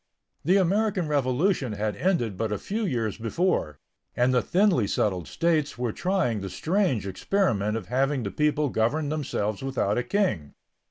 The American Revolution had ended but a few years before, and the thinly settled states were trying the strange experiment of having the people govern themselves without a king.